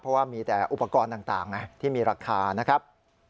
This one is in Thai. เพราะว่ามีแต่อุปกรณ์ต่างที่มีราคานะครับ